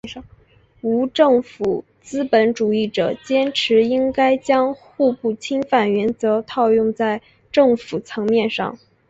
无政府资本主义者坚持应该将互不侵犯原则套用在政府层面上。